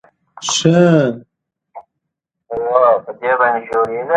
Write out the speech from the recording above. شاه محمود له خطره خبر شو.